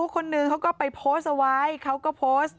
เขาก็ไปโพสไว้เขาก็โพส